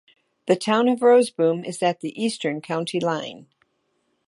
The Town of Roseboom is at the eastern county line.